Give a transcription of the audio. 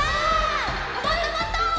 もっともっと！